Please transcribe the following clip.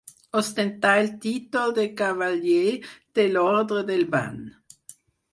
Ostentà el títol de cavaller de l'Orde del Bany.